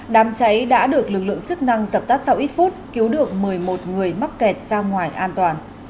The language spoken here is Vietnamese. đang dập tắt sau ít phút cứu được một mươi một người mắc kẹt ra ngoài an toàn